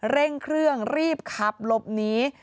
เร่งเครื่องรีบขับหลบหนี